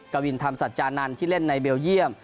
กวินธรรมสัจจานันทร์ที่เล่นในเบลเยี่ยม